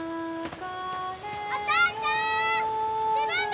お父ちゃん！